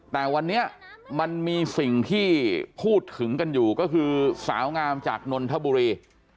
แต่วันนี้มันมีสิ่งที่พูดถึงกันอยู่ก็คือสาวงามจากนนทบุรี